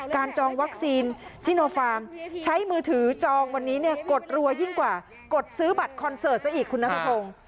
จองวัคซีนซิโนฟาร์มใช้มือถือจองวันนี้เนี่ยกดรัวยิ่งกว่ากดซื้อบัตรคอนเสิร์ตซะอีกคุณนัทพงศ์